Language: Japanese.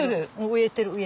植えてる。